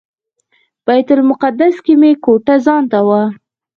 بیت المقدس کې مې کوټه ځانته وه.